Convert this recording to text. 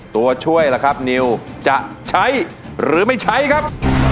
ตัวช่วยล่ะครับนิวจะใช้หรือไม่ใช้ครับ